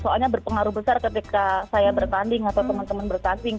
soalnya berpengaruh besar ketika saya bertanding atau teman teman bertanding